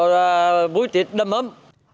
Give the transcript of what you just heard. và buổi tết đâm ấm